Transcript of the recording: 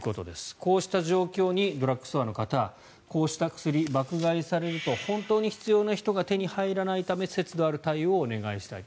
こうした状況にドラッグストアの方こうした薬、爆買いすると本当に必要な人が手に入らないため節度ある対応をお願いしたいと。